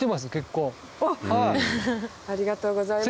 ありがとうございます。